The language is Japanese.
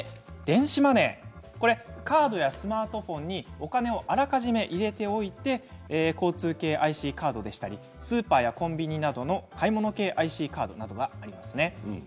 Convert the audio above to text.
電子マネーカードやスマートフォンにお金をあらかじめ入れておいて交通系ＩＣカードでしたりスーパーやコンビニなどの買い物系ＩＣカードなどがありますね。